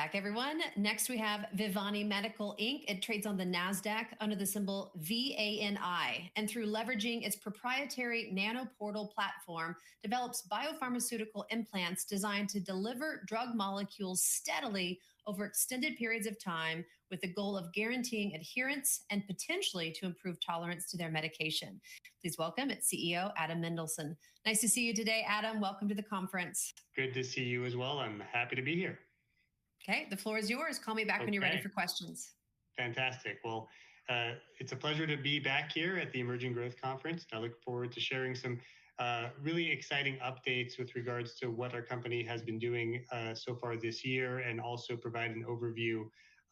Back, everyone. Next, we have Vivani Medical. It trades on the NASDAQ under the symbol VANI, and through leveraging its proprietary NanoPortal platform, develops biopharmaceutical implants designed to deliver drug molecules steadily over extended periods of time, with the goal of guaranteeing adherence and potentially to improve tolerance to their medication. Please welcome its CEO, Adam Mendelsohn. Nice to see you today, Adam. Welcome to the conference. Good to see you as well. I'm happy to be here. Okay, the floor is yours. Call me back when you're ready for questions. Okay. Fantastic. It is a pleasure to be back here at the Emerging Growth Conference, and I look forward to sharing some really exciting updates with regards to what our company has been doing so far this year, and also providing overview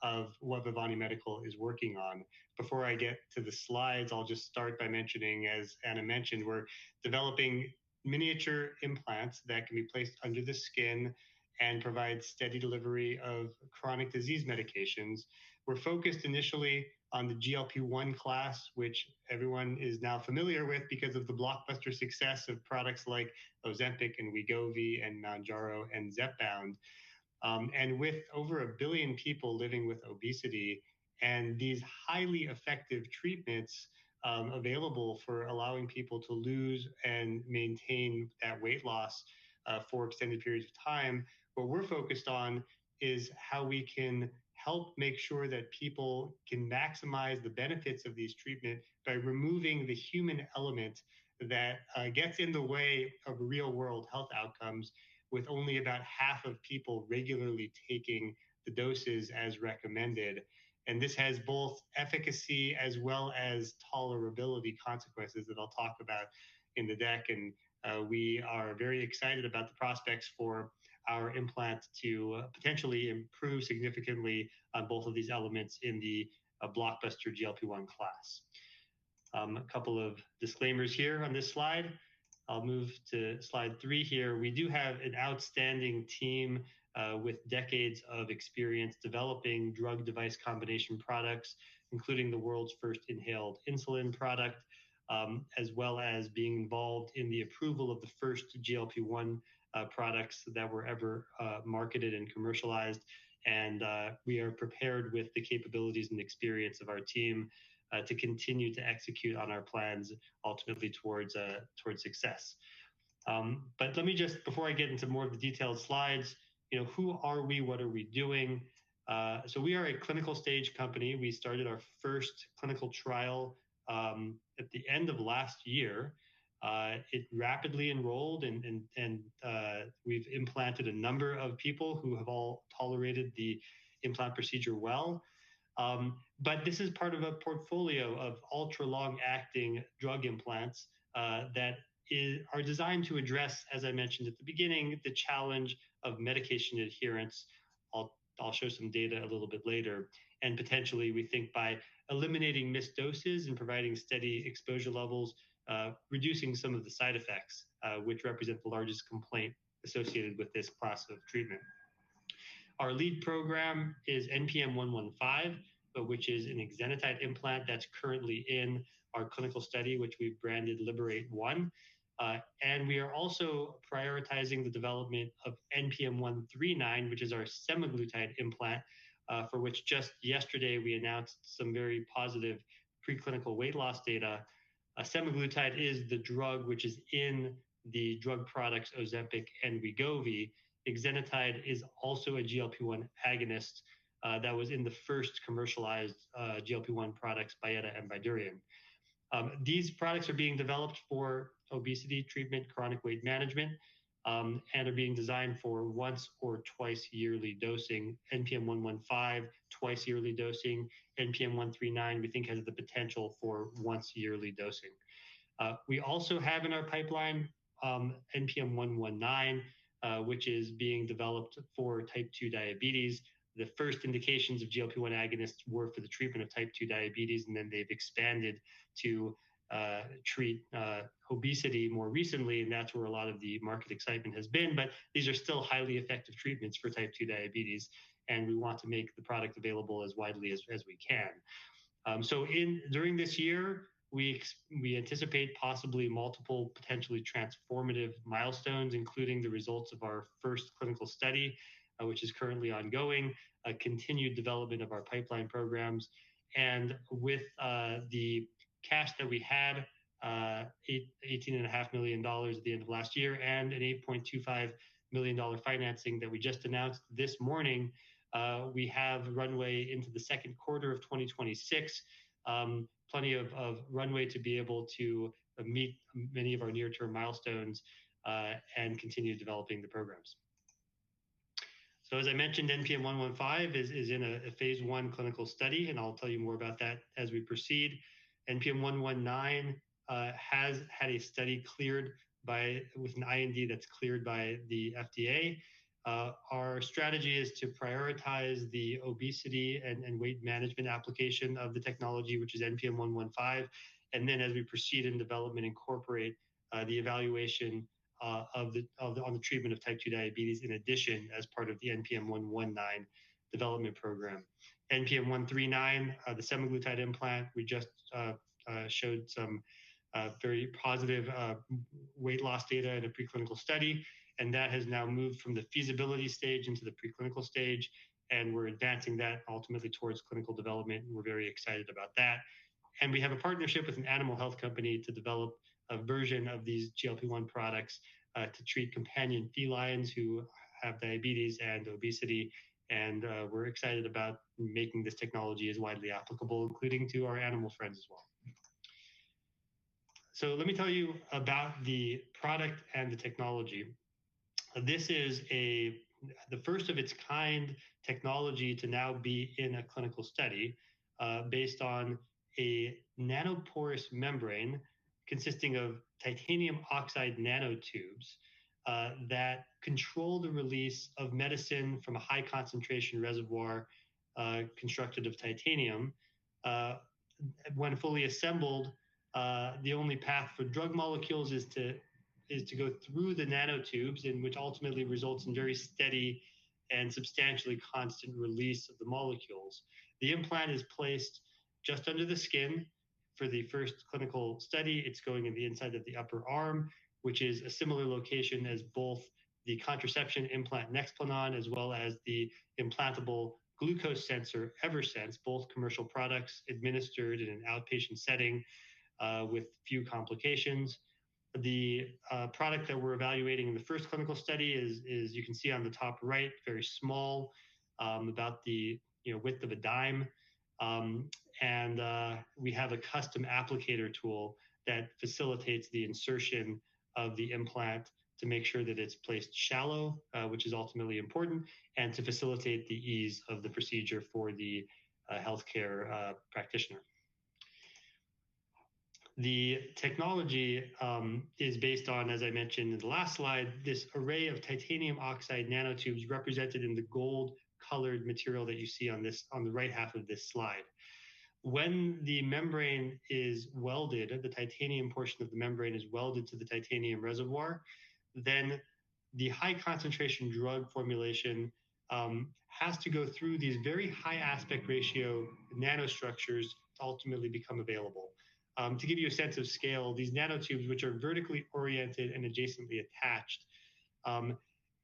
of what Vivani Medical is working on. Before I get to the slides, I will just start by mentioning, as Anna mentioned, we are developing miniature implants that can be placed under the skin and provide steady delivery of chronic disease medications. We are focused initially on the GLP-1 class, which everyone is now familiar with because of the blockbuster success of products like Ozempic and Wegovy and Mounjaro and Zepbound. With over a billion people living with obesity and these highly effective treatments available for allowing people to lose and maintain that weight loss for extended periods of time, what we're focused on is how we can help make sure that people can maximize the benefits of these treatments by removing the human element that gets in the way of real-world health outcomes, with only about half of people regularly taking the doses as recommended. This has both efficacy as well as tolerability consequences that I'll talk about in the deck. We are very excited about the prospects for our implant to potentially improve significantly on both of these elements in the blockbuster GLP-1 class. A couple of disclaimers here on this slide. I'll move to slide three here. We do have an outstanding team with decades of experience developing drug-device combination products, including the world's first inhaled insulin product, as well as being involved in the approval of the first GLP-1 products that were ever marketed and commercialized. We are prepared with the capabilities and experience of our team to continue to execute on our plans, ultimately towards success. Let me just, before I get into more of the detailed slides, you know, who are we, what are we doing? We are a clinical stage company. We started our first clinical trial at the end of last year. It rapidly enrolled, and we've implanted a number of people who have all tolerated the implant procedure well. This is part of a portfolio of ultra-long-acting drug implants that are designed to address, as I mentioned at the beginning, the challenge of medication adherence. I'll show some data a little bit later. Potentially, we think by eliminating missed doses and providing steady exposure levels, reducing some of the side effects, which represent the largest complaint associated with this class of treatment. Our lead program is NPM-115, which is an exenatide implant that's currently in our clinical study, which we've branded LIBERATE-1. We are also prioritizing the development of NPM-139, which is our semaglutide implant, for which just yesterday we announced some very positive preclinical weight loss data. Semaglutide is the drug which is in the drug products Ozempic and Wegovy. Exenatide is also a GLP-1 agonist that was in the first commercialized GLP-1 products, Byetta and Bydureon. These products are being developed for obesity treatment, chronic weight management, and are being designed for once or twice yearly dosing. NPM-115, twice yearly dosing. NPM-139, we think, has the potential for once yearly dosing. We also have in our pipeline NPM-119, which is being developed for type 2 diabetes. The first indications of GLP-1 agonists were for the treatment of type 2 diabetes, and then they've expanded to treat obesity more recently, and that's where a lot of the market excitement has been. These are still highly effective treatments for type 2 diabetes, and we want to make the product available as widely as we can. During this year, we anticipate possibly multiple, potentially transformative milestones, including the results of our first clinical study, which is currently ongoing, continued development of our pipeline programs. With the cash that we had, $18.5 million at the end of last year and an $8.25 million financing that we just announced this morning, we have runway into the second quarter of 2026, plenty of runway to be able to meet many of our near-term milestones and continue developing the programs. As I mentioned, NPM-115 is in a phase I clinical study, and I'll tell you more about that as we proceed. NPM-119 has had a study cleared by, with an IND that's cleared by the FDA. Our strategy is to prioritize the obesity and weight management application of the technology, which is NPM-115, and then as we proceed in development, incorporate the evaluation of the, on the treatment of type 2 diabetes in addition as part of the NPM-119 development program. NPM-139, the semaglutide implant, we just showed some very positive weight loss data in a preclinical study, and that has now moved from the feasibility stage into the preclinical stage, and we're advancing that ultimately towards clinical development, and we're very excited about that. We have a partnership with an animal health company to develop a version of these GLP-1 products to treat companion felines who have diabetes and obesity, and we're excited about making this technology as widely applicable, including to our animal friends as well. Let me tell you about the product and the technology. This is the first of its kind technology to now be in a clinical study based on a nanoporous membrane consisting of titanium oxide nanotubes that control the release of medicine from a high-concentration reservoir constructed of titanium. When fully assembled, the only path for drug molecules is to go through the nanotubes, which ultimately results in very steady and substantially constant release of the molecules. The implant is placed just under the skin for the first clinical study. It's going in the inside of the upper arm, which is a similar location as both the contraception implant NEXPLANON as well as the implantable glucose sensor Eversense, both commercial products administered in an outpatient setting with few complications. The product that we're evaluating in the first clinical study is, you can see on the top right, very small, about the width of a dime. And we have a custom applicator tool that facilitates the insertion of the implant to make sure that it's placed shallow, which is ultimately important, and to facilitate the ease of the procedure for the healthcare practitioner. The technology is based on, as I mentioned in the last slide, this array of titanium oxide nanotubes represented in the gold-colored material that you see on this, on the right half of this slide. When the membrane is welded, the titanium portion of the membrane is welded to the titanium reservoir, then the high-concentration drug formulation has to go through these very high aspect ratio nanostructures to ultimately become available. To give you a sense of scale, these nanotubes, which are vertically oriented and adjacently attached,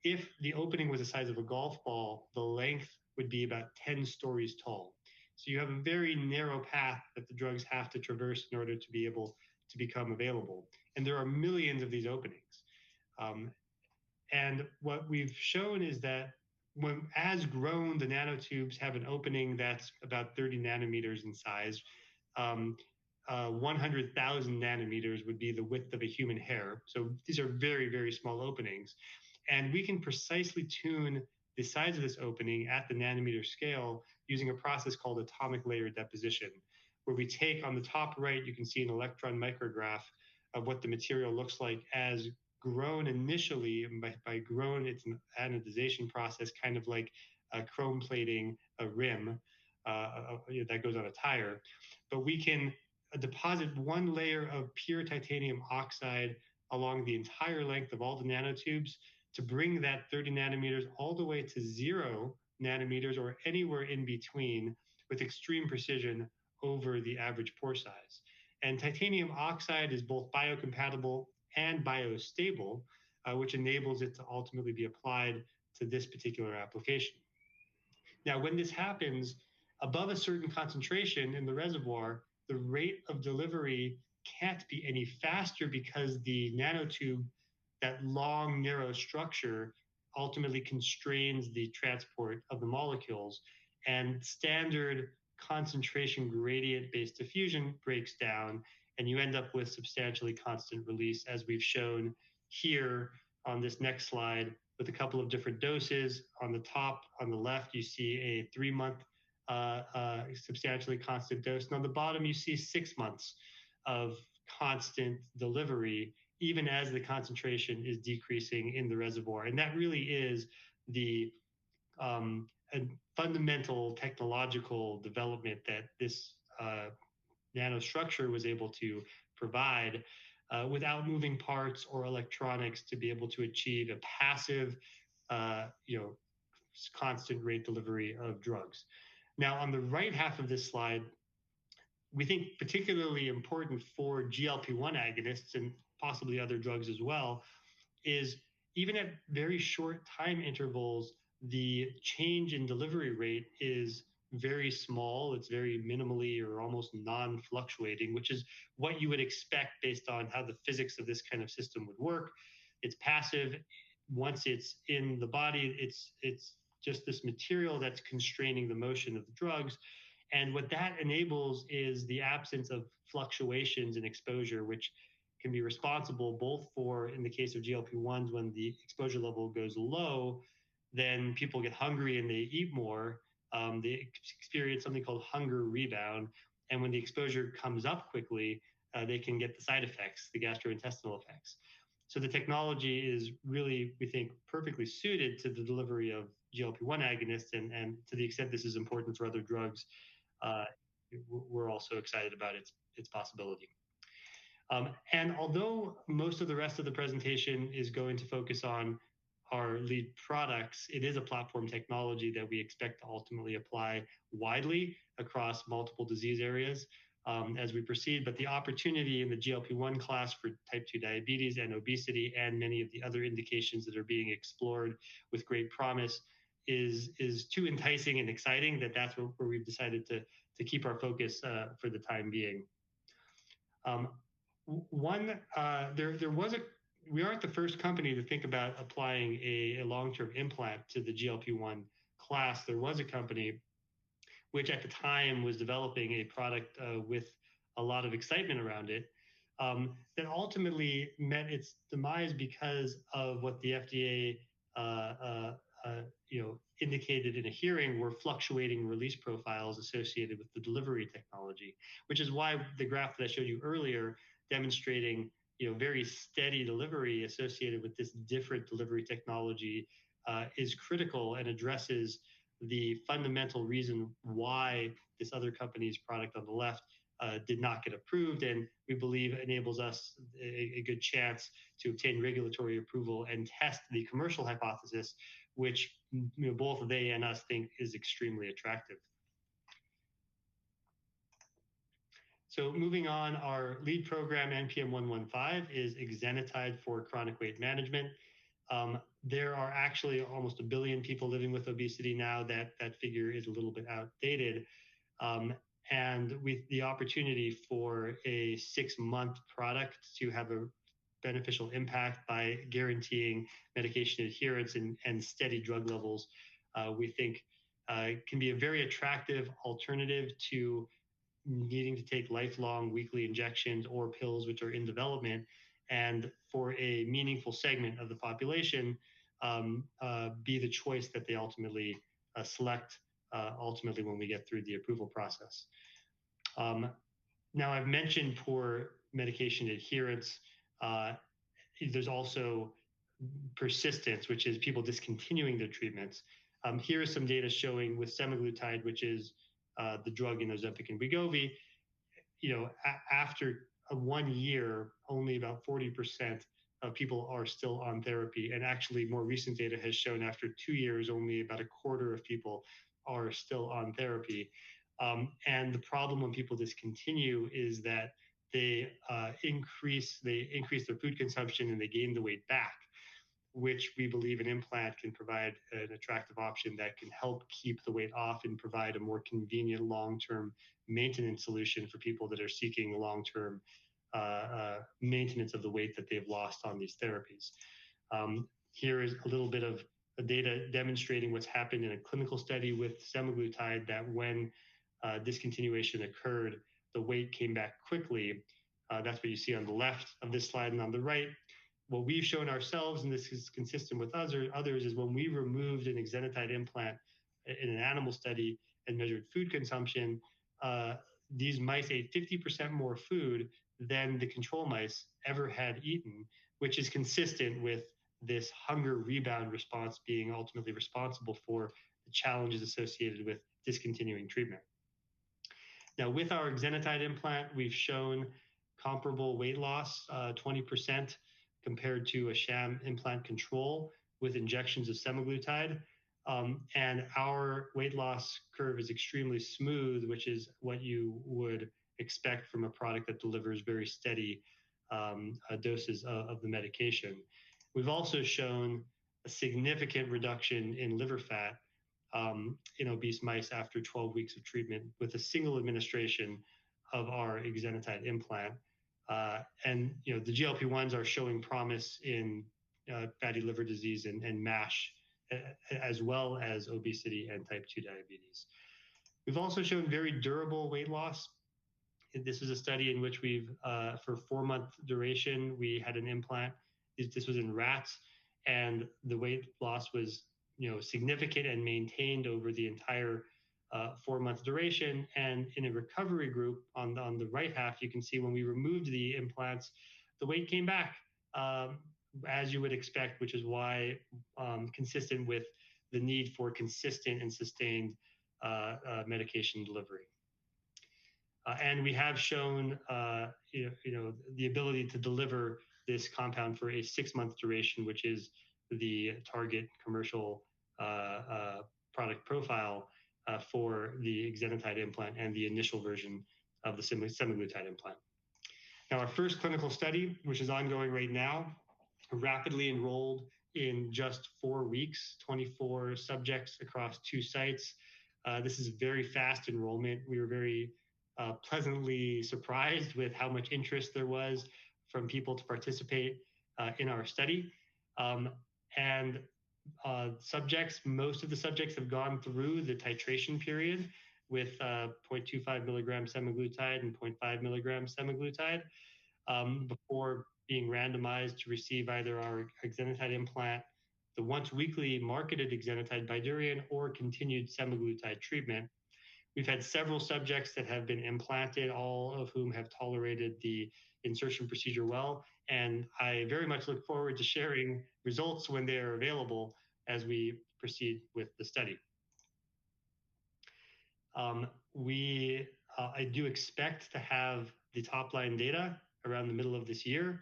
if the opening was the size of a golf ball, the length would be about 10 stories tall. You have a very narrow path that the drugs have to traverse in order to be able to become available. There are millions of these openings. What we've shown is that when as grown, the nanotubes have an opening that's about 30 nm in size. 100,000 nm would be the width of a human hair. These are very, very small openings. We can precisely tune the size of this opening at the nanometer scale using a process called atomic layer deposition, where we take on the top right, you can see an electron micrograph of what the material looks like as grown initially by growing its anodization process, kind of like chrome plating a rim that goes on a tire. We can deposit one layer of pure titanium oxide along the entire length of all the nanotubes to bring that 30 nm all the way to zero nm or anywhere in between with extreme precision over the average pore size. Titanium oxide is both biocompatible and biostable, which enables it to ultimately be applied to this particular application. Now, when this happens, above a certain concentration in the reservoir, the rate of delivery can't be any faster because the nanotube, that long narrow structure, ultimately constrains the transport of the molecules, and standard concentration gradient-based diffusion breaks down, and you end up with substantially constant release, as we've shown here on this next slide with a couple of different doses. On the top, on the left, you see a three-month substantially constant dose, and on the bottom, you see six months of constant delivery, even as the concentration is decreasing in the reservoir. That really is the fundamental technological development that this nanostructure was able to provide, without moving parts or electronics, to be able to achieve a passive, constant rate delivery of drugs. Now, on the right half of this slide, we think particularly important for GLP-1 agonists and possibly other drugs as well, is even at very short time intervals, the change in delivery rate is very small. It's very minimally or almost non-fluctuating, which is what you would expect based on how the physics of this kind of system would work. It's passive. Once it's in the body, it's just this material that's constraining the motion of the drugs. What that enables is the absence of fluctuations in exposure, which can be responsible both for, in the case of GLP-1s, when the exposure level goes low, then people get hungry, and they eat more. They experience something called hunger rebound. When the exposure comes up quickly, they can get the side effects, the gastrointestinal effects. The technology is really, we think, perfectly suited to the delivery of GLP-1 agonists, and to the extent this is important for other drugs, we're also excited about its possibility. Although most of the rest of the presentation is going to focus on our lead products, it is a platform technology that we expect to ultimately apply widely across multiple disease areas as we proceed. The opportunity in the GLP-1 class for type 2 diabetes and obesity, and many of the other indications that are being explored with great promise, is too enticing and exciting that that's where we've decided to keep our focus for the time being. One, there was a, we aren't the first company to think about applying a long-term implant to the GLP-1 class. There was a company which at the time was developing a product with a lot of excitement around it that ultimately met its demise because of what the FDA indicated in a hearing, were fluctuating release profiles associated with the delivery technology, which is why the graph that I showed you earlier demonstrating very steady delivery associated with this different delivery technology is critical and addresses the fundamental reason why this other company's product on the left did not get approved. We believe it enables us a good chance to obtain regulatory approval and test the commercial hypothesis, which both they and us think is extremely attractive. Moving on, our lead program, NPM-115, is exenatide for chronic weight management. There are actually almost a billion people living with obesity now. That figure is a little bit outdated. With the opportunity for a six-month product to have a beneficial impact by guaranteeing medication adherence and steady drug levels, we think it can be a very attractive alternative to needing to take lifelong weekly injections or pills, which are in development, and for a meaningful segment of the population, be the choice that they ultimately select when we get through the approval process. Now, I've mentioned poor medication adherence. There's also persistence, which is people discontinuing their treatments. Here is some data showing with semaglutide, which is the drug in Ozempic and Wegovy, after one year, only about 40% of people are still on therapy. Actually, more recent data has shown after two years, only about a quarter of people are still on therapy. The problem when people discontinue is that they increase their food consumption and they gain the weight back, which we believe an implant can provide an attractive option that can help keep the weight off and provide a more convenient long-term maintenance solution for people that are seeking long-term maintenance of the weight that they've lost on these therapies. Here is a little bit of data demonstrating what's happened in a clinical study with semaglutide that when discontinuation occurred, the weight came back quickly. That's what you see on the left of this slide and on the right. What we've shown ourselves, and this is consistent with others, is when we removed an exenatide implant in an animal study and measured food consumption, these mice ate 50% more food than the control mice ever had eaten, which is consistent with this hunger rebound response being ultimately responsible for the challenges associated with discontinuing treatment. Now, with our exenatide implant, we've shown comparable weight loss, 20% compared to a sham implant control with injections of semaglutide. Our weight loss curve is extremely smooth, which is what you would expect from a product that delivers very steady doses of the medication. We've also shown a significant reduction in liver fat in obese mice after 12 weeks of treatment with a single administration of our exenatide implant. The GLP-1s are showing promise in fatty liver disease and MASH, as well as obesity and type 2 diabetes. We've also shown very durable weight loss. This is a study in which we've, for a four-month duration, we had an implant. This was in rats, and the weight loss was significant and maintained over the entire four-month duration. In a recovery group on the right half, you can see when we removed the implants, the weight came back, as you would expect, which is why consistent with the need for consistent and sustained medication delivery. We have shown the ability to deliver this compound for a six-month duration, which is the target commercial product profile for the exenatide implant and the initial version of the semaglutide implant. Now, our first clinical study, which is ongoing right now, rapidly enrolled in just four weeks, 24 subjects across two sites. This is very fast enrollment. We were very pleasantly surprised with how much interest there was from people to participate in our study. Most of the subjects have gone through the titration period with 0.25 mg semaglutide and 0.5 mg semaglutide before being randomized to receive either our exenatide implant, the once-weekly marketed exenatide Bydureon, or continued semaglutide treatment. We've had several subjects that have been implanted, all of whom have tolerated the insertion procedure well. I very much look forward to sharing results when they are available as we proceed with the study. I do expect to have the top-line data around the middle of this year.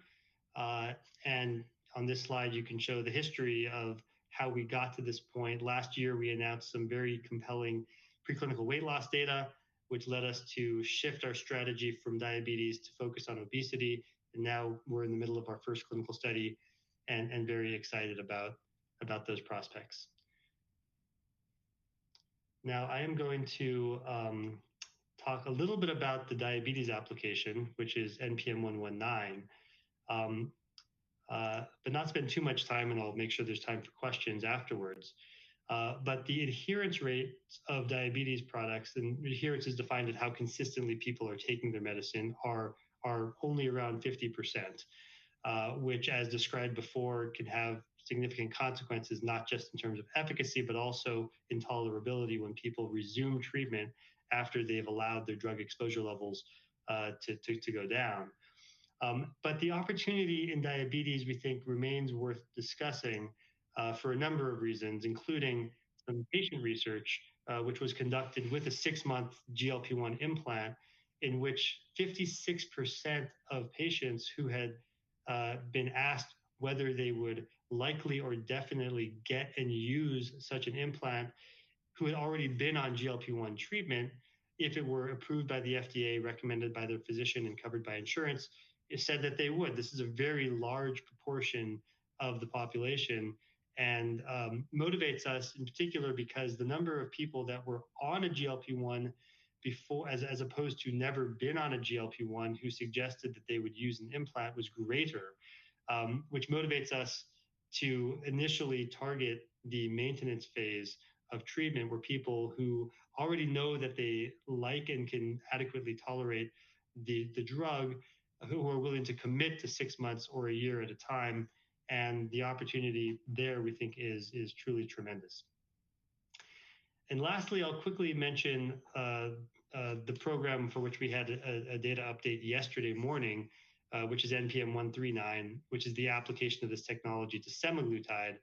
On this slide, you can see the history of how we got to this point. Last year, we announced some very compelling preclinical weight loss data, which led us to shift our strategy from diabetes to focus on obesity. We are in the middle of our first clinical study and very excited about those prospects. Now, I am going to talk a little bit about the diabetes application, which is NPM-119. I will not spend too much time, and I'll make sure there's time for questions afterwards. The adherence rate of diabetes products, and adherence is defined as how consistently people are taking their medicine, are only around 50%, which, as described before, can have significant consequences, not just in terms of efficacy, but also intolerability when people resume treatment after they've allowed their drug exposure levels to go down. The opportunity in diabetes, we think, remains worth discussing for a number of reasons, including patient research, which was conducted with a six-month GLP-1 implant, in which 56% of patients who had been asked whether they would likely or definitely get and use such an implant, who had already been on GLP-1 treatment, if it were approved by the FDA, recommended by their physician, and covered by insurance, said that they would. This is a very large proportion of the population and motivates us in particular because the number of people that were on a GLP-1 before, as opposed to never been on a GLP-1, who suggested that they would use an implant was greater, which motivates us to initially target the maintenance phase of treatment where people who already know that they like and can adequately tolerate the drug, who are willing to commit to six months or a year at a time. The opportunity there, we think, is truly tremendous. Lastly, I'll quickly mention the program for which we had a data update yesterday morning, which is NPM-139, which is the application of this technology to semaglutide,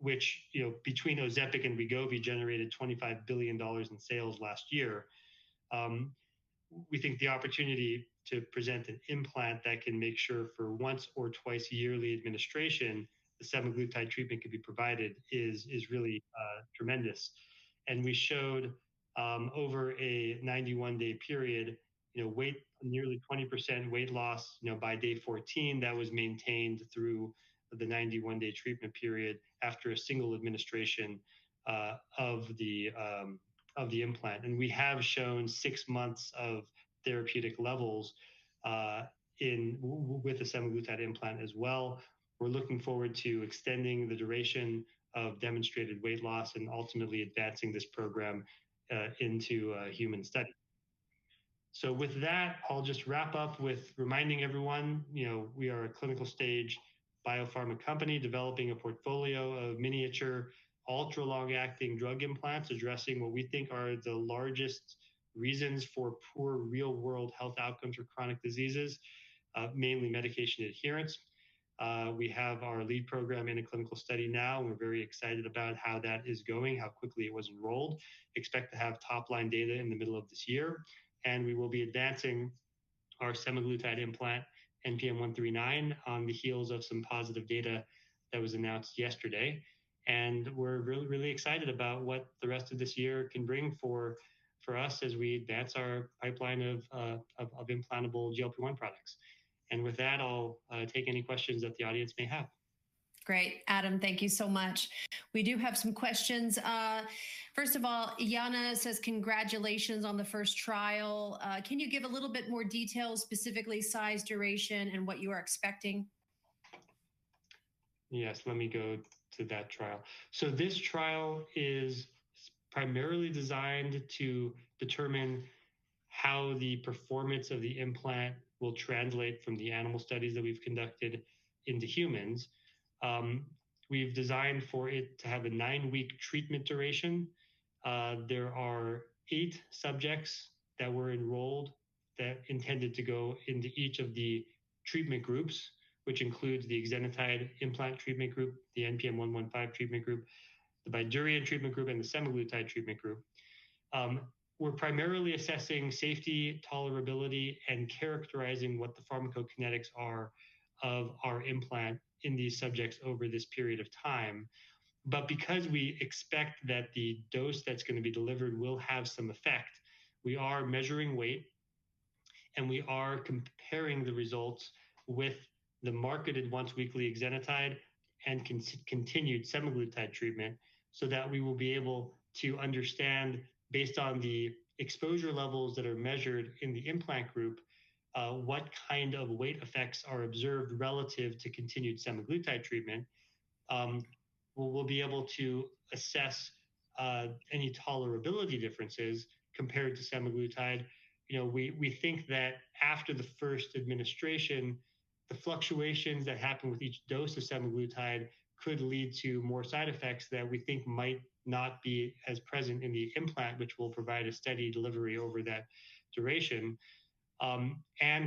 which, between Ozempic and Wegovy generated $25 billion in sales last year. We think the opportunity to present an implant that can make sure for once or twice yearly administration, the semaglutide treatment can be provided is really tremendous. We showed over a 91-day period, nearly 20% weight loss by day 14. That was maintained through the 91-day treatment period after a single administration of the implant. We have shown six months of therapeutic levels with the semaglutide implant as well. We are looking forward to extending the duration of demonstrated weight loss and ultimately advancing this program into human studies. With that, I will just wrap up with reminding everyone we are a clinical-stage biopharma company developing a portfolio of miniature ultra-long-acting drug implants addressing what we think are the largest reasons for poor real-world health outcomes for chronic diseases, mainly medication adherence. We have our lead program in a clinical study now. We're very excited about how that is going, how quickly it was enrolled. Expect to have top-line data in the middle of this year. We will be advancing our semaglutide implant, NPM-139, on the heels of some positive data that was announced yesterday. We're really, really excited about what the rest of this year can bring for us as we advance our pipeline of implantable GLP-1 products. With that, I'll take any questions that the audience may have. Great. Adam, thank you so much. We do have some questions. First of all, Yana says, "Congratulations on the first trial. Can you give a little bit more details, specifically size, duration, and what you are expecting? Yes. Let me go to that trial. This trial is primarily designed to determine how the performance of the implant will translate from the animal studies that we've conducted into humans. We've designed for it to have a nine-week treatment duration. There are eight subjects that were enrolled that intended to go into each of the treatment groups, which includes the exenatide implant treatment group, the NPM-115 treatment group, the Bydureon treatment group, and the semaglutide treatment group. We're primarily assessing safety, tolerability, and characterizing what the pharmacokinetics are of our implant in these subjects over this period of time. Because we expect that the dose that's going to be delivered will have some effect, we are measuring weight, and we are comparing the results with the marketed once-weekly exenatide and continued semaglutide treatment so that we will be able to understand, based on the exposure levels that are measured in the implant group, what kind of weight effects are observed relative to continued semaglutide treatment. We'll be able to assess any tolerability differences compared to semaglutide. We think that after the first administration, the fluctuations that happen with each dose of semaglutide could lead to more side effects that we think might not be as present in the implant, which will provide a steady delivery over that duration.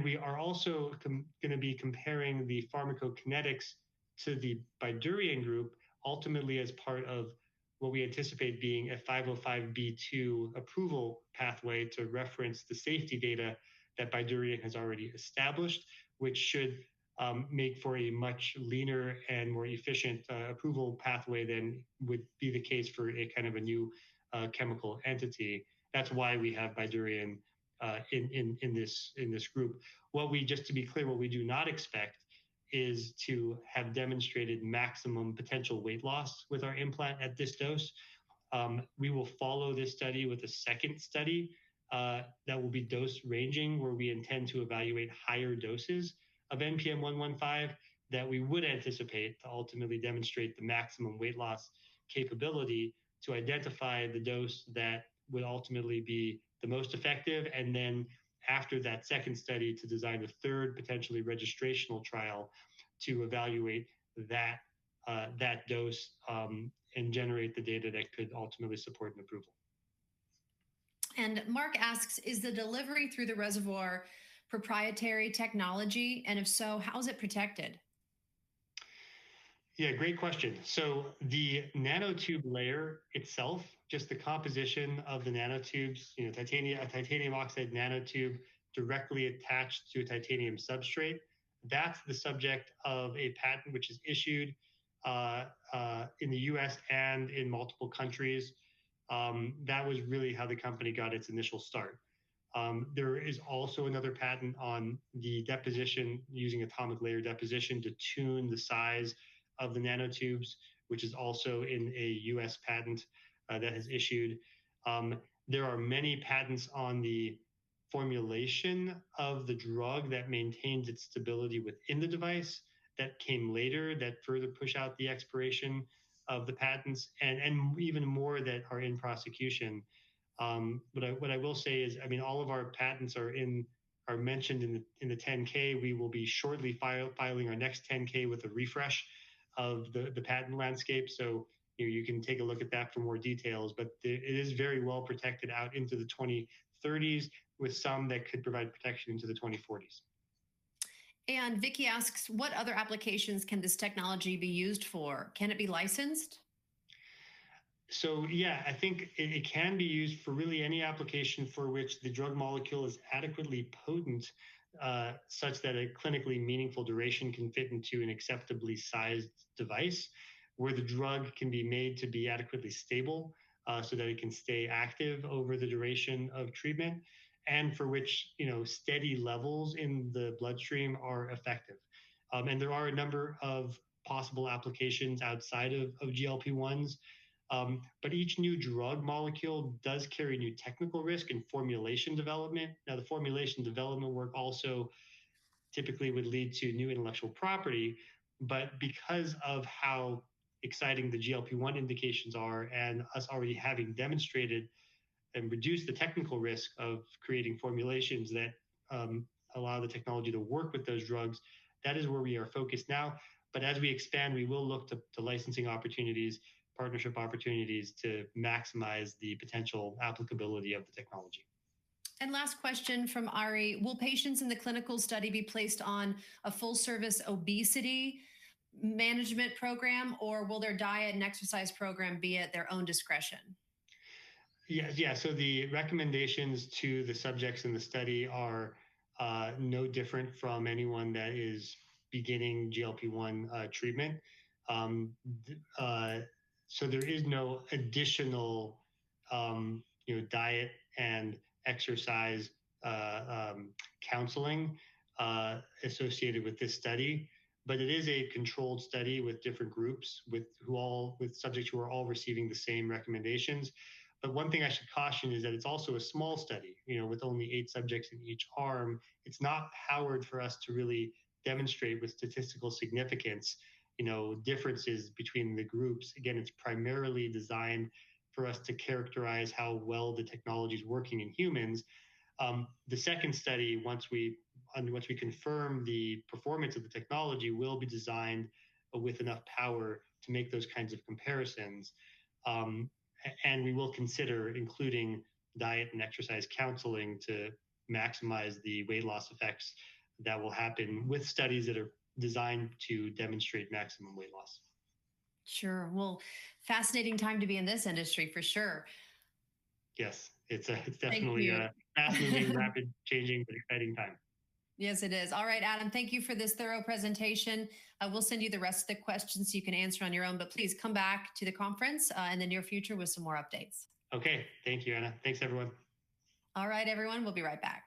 We are also going to be comparing the pharmacokinetics to the Bydureon group, ultimately as part of what we anticipate being a 505(b)(2) approval pathway to reference the safety data that Bydureon has already established, which should make for a much leaner and more efficient approval pathway than would be the case for a kind of a new chemical entity. That is why we have Bydureon in this group. Just to be clear, what we do not expect is to have demonstrated maximum potential weight loss with our implant at this dose. We will follow this study with a second study that will be dose-ranging, where we intend to evaluate higher doses of NPM-115 that we would anticipate to ultimately demonstrate the maximum weight loss capability to identify the dose that would ultimately be the most effective. After that second study, to design a third potentially registrational trial to evaluate that dose and generate the data that could ultimately support an approval. Mark asks, "Is the delivery through the reservoir proprietary technology? And if so, how is it protected? Yeah, great question. The nanotube layer itself, just the composition of the nanotubes, a titanium oxide nanotube directly attached to a titanium substrate, that's the subject of a patent which is issued in the U.S. and in multiple countries. That was really how the company got its initial start. There is also another patent on the deposition using atomic layer deposition to tune the size of the nanotubes, which is also in a U.S. patent that is issued. There are many patents on the formulation of the drug that maintains its stability within the device that came later that further push out the expiration of the patents, and even more that are in prosecution. What I will say is, I mean, all of our patents are mentioned in the 10-K. We will be shortly filing our next 10-K with a refresh of the patent landscape. You can take a look at that for more details. It is very well protected out into the 2030s, with some that could provide protection into the 2040s. Vicki asks, "What other applications can this technology be used for? Can it be licensed? Yeah, I think it can be used for really any application for which the drug molecule is adequately potent such that a clinically meaningful duration can fit into an acceptably sized device where the drug can be made to be adequately stable, so that it can stay active over the duration of treatment, and for which steady levels in the bloodstream are effective. There are a number of possible applications outside of GLP-1s. Each new drug molecule does carry new technical risk in formulation development. The formulation development work also typically would lead to new intellectual property, but because of how exciting the GLP-1 indications are and us already having demonstrated and reduced the technical risk of creating formulations that allow the technology to work with those drugs, that is where we are focused now. As we ex pand, we will look to licensing opportunities, partnership opportunities to maximize the potential applicability of the technology. Last question from Ari, "Will patients in the clinical study be placed on a full-service obesity management program, or will their diet and exercise program be at their own discretion? Yeah. The recommendations to the subjects in the study are no different from anyone that is beginning GLP-1 treatment. There is no additional diet and exercise counseling associated with this study. It is a controlled study with different groups with subjects who are all receiving the same recommendations. One thing I should caution is that it's also a small study with only eight subjects in each arm. It's not powered for us to really demonstrate with statistical significance differences between the groups. Again, it's primarily designed for us to characterize how well the technology is working in humans. The second study, once we confirm the performance of the technology, will be designed with enough power to make those kinds of comparisons. We will consider including diet and exercise counseling to maximize the weight loss effects that will happen with studies that are designed to demonstrate maximum weight loss. Sure. Fascinating time to be in this industry, for sure. Yes. It's definitely a rapidly changing but exciting time. Yes, it is. All right, Adam, thank you for this thorough presentation. We'll send you the rest of the questions so you can answer on your own. Please come back to the conference in the near future with some more updates. Okay. Thank you, Anna. Thanks, everyone. All right, everyone. We'll be right back.